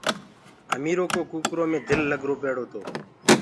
اميرو ڪو ڪوڪرو مي دل لگرو پيڙو تو